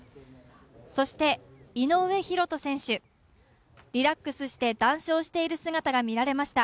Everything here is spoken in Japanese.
そして井上大仁選手、リラックスして談笑している姿が見られました。